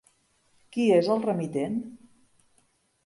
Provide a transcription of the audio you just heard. Qui és el remitent?